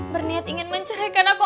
berniat ingin menceraikan aku